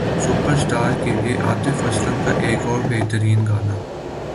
superstar کے لیے عاطف اسلم کا ایک اور بہترین گانا